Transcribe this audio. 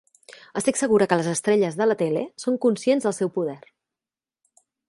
Estic segura que les estrelles de la tele són conscients del seu poder.